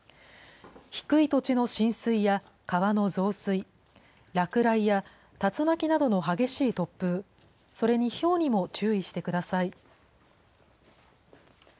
低い土地の浸水や川の増水、落雷や竜巻などの激しい突風、それにひょうにも注意してください。